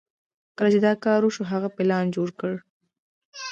کله چې دا کار وشو هغه پلان جوړ کړ.